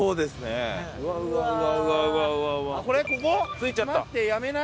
着いちゃった。